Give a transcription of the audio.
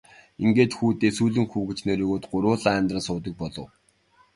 Ингээд хүүдээ Сүүлэн хүү гэж нэр өгөөд гурвуулаа амьдран суудаг болов.